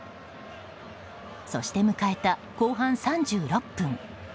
そして迎えた後半３６分。